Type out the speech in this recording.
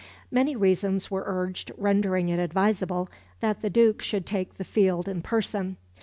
Many reasons were urged rendering it advisable that the Duke should take the field in person.